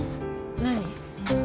何？